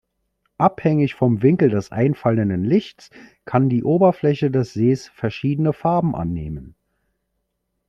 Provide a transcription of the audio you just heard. Abhängig vom Winkel des einfallenden Lichts kann die Oberfläche des Sees verschiedene Farben annehmen.